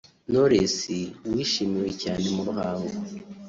Knowless wishimiwe cyane mu Ruhango